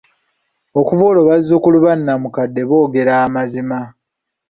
Okuva olwo bazukulu banamukadde boogera amazima.